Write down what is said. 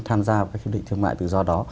tham gia vào cái hiệp định thương mại tự do đó